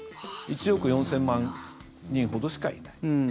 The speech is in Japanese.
１億４０００万人ほどしかいない。